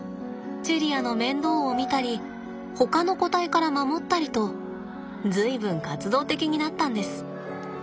チェリアの面倒を見たりほかの個体から守ったりと随分活動的になったんです。